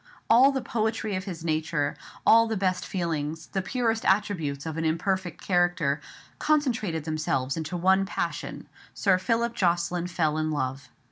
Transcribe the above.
All the poetry of his nature, all the best feelings, the purest attributes of an imperfect character, concentrated themselves into one passion, Sir Philip Jocelyn fell in love.